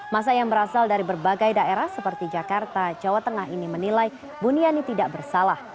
masa yang berasal dari berbagai daerah seperti jakarta jawa tengah ini menilai buniani tidak bersalah